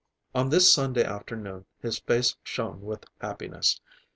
On this Sunday afternoon his face shone with happiness.